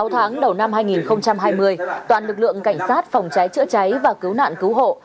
sáu tháng đầu năm hai nghìn hai mươi toàn lực lượng cảnh sát phòng cháy chữa cháy và cứu nạn cứu hộ